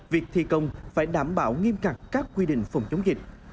việc thi công phải đảm bảo nghiêm cặc các quy định phòng chống dịch